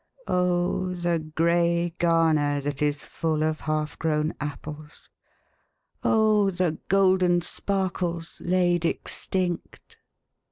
Oh, the grey garner that is full of half grown apples, Oh, the golden sparkles laid extinct